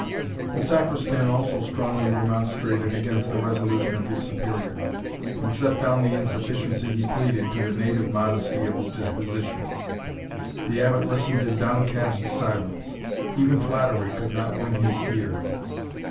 The Sacristan also strongly remonstrated against the resolution of his Superior, and set down the insufficiency he pleaded to the native modesty of his disposition. The Abbot listened in downcast silence; even flattery could not win his ear.